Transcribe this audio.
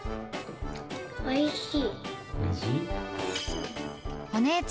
おいしい。